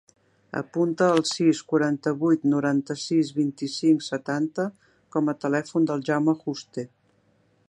Apunta el sis, quaranta-vuit, noranta-sis, vint-i-cinc, setanta com a telèfon del Jaume Juste.